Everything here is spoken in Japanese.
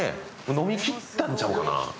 飲みきったんちゃうかな？